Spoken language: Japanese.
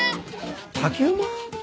竹馬！？